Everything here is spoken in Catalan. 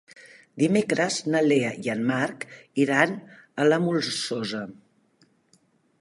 Dimecres na Lea i en Marc iran a la Molsosa.